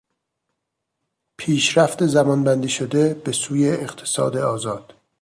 پیشرفت زمان بندی شده به سوی اقتصاد آزاد